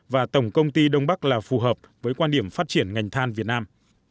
và tổng công ty đông bắc là phù hợp với quan điểm phát triển ngành than việt nam